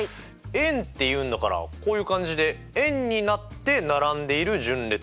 円っていうんだからこういう感じで円になって並んでいる順列？